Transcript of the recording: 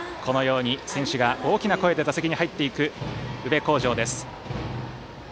選手が大きな声で打席に入っていく宇部鴻城です。